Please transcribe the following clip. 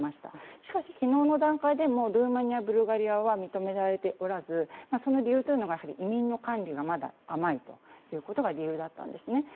しかし昨日の段階でもルーマニア、ブルガリアは認められておらずその理由というのが移民の管理がまだ甘いということが理由だったんですね。